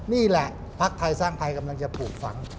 นี่แหละภักดิ์ไทยสร้างไทยกำลังจะปลูกฝัง